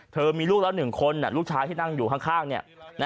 มีลูกแล้ว๑คนลูกชายที่นั่งอยู่ข้าง